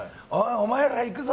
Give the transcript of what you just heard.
お前ら行くぞ！